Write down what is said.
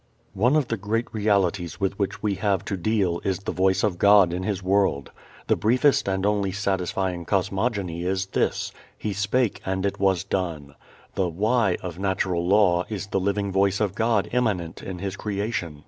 One of the great realities with which we have to deal is the Voice of God in His world. The briefest and only satisfying cosmogony is this: "He spake and it was done." The why of natural law is the living Voice of God immanent in His creation.